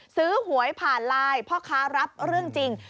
หวยผ่านไลน์พ่อค้ารับเรื่องจริง